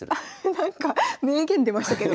なんか名言出ましたけど。